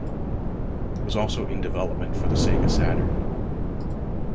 It was also in development for the Sega Saturn.